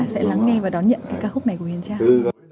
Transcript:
sẽ lắng nghe và đón nhận cái ca khúc này của huyền trang